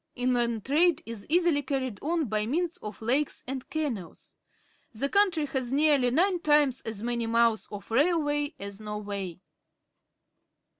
Inland trade is easily carried on by means of lakes and canals. The country has nearly nine times as many miles of railway as Norway.